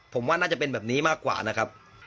ผมว่าน่าจะเป็นแบบนี้มากกว่านะครับ